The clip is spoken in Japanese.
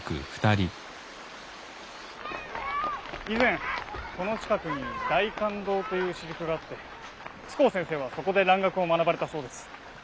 以前この近くに大観堂という私塾があって都甲先生はそこで蘭学を学ばれたそうです。